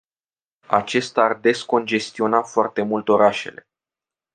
Aceasta ar descongestiona foarte mult orașele.